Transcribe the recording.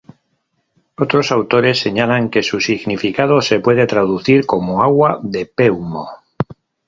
Otros autores señalan que su significado se puede traducir como "Agua de Peumo".